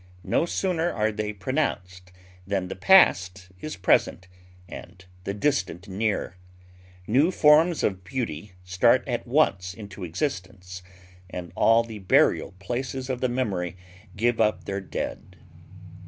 No sooner are they pronounced, than the past is present and the distant near. New forms of beauty start at once into existence, and all the burial places of the memory give up their dead.